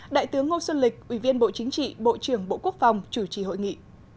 đại tướng ngô xuân lịch ủy viên bộ chính trị bộ trưởng bộ quốc phòng chủ trì hội nghị